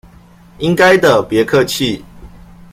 應該的，別客氣！